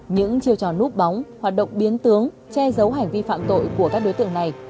những chiêu trò núp bóng hoạt động biến tướng che giấu hành vi phạm tội của các đối tượng này